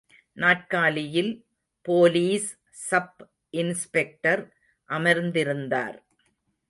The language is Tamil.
நாற்காலியில் போலீஸ் சப் இன்ஸ்பெக்டர் அமர்ந்திருந்தார்.